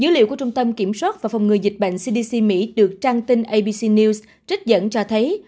dữ liệu của trung tâm kiểm soát và phòng ngừa dịch bệnh cdc mỹ được trang tin abc news trích dẫn cho thấy